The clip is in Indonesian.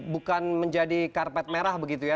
bukan menjadi karpet merah begitu ya